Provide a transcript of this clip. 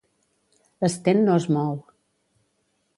L'Sten no es mou.